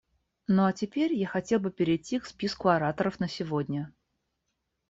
Ну а теперь я хотел бы перейти к списку ораторов на сегодня.